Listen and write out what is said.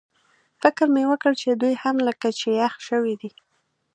فکر مې وکړ چې دوی هم لکه چې یخ شوي دي.